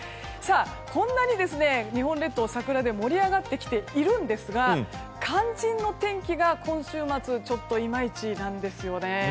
こんなに日本列島、桜で盛り上がってきているんですが肝心の天気が今週末ちょっといまいちなんですよね。